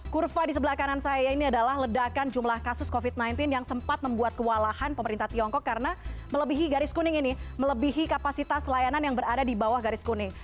kurva di sebelah kanan saya ini adalah ledakan jumlah kasus covid sembilan belas yang sempat membuat kewalahan pemerintah tiongkok karena melebihi garis kuning ini melebihi kapasitas layanan yang berada di bawah garis kuning